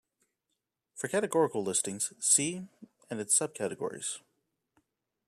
For categorical listings see and its subcategories.